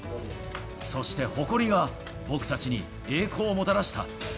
そして誇りが僕たちに栄光をもたらした。